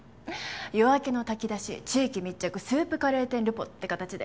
「夜明けの炊き出し・地域密着スープカレー店ルポ」って形で。